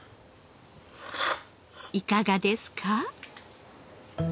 いかがですか？